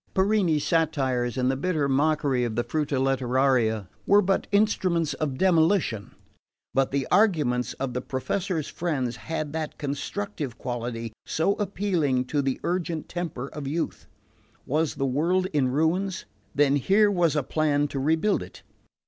Parini's satires and the bitter mockery of the "Frusta Letteraria" were but instruments of demolition; but the arguments of the Professor's friends had that constructive quality so appealing to the urgent temper of youth. Was the world in ruins? Then here was a plan to rebuild it.